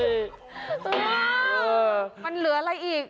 มันเหลืออะไรอีก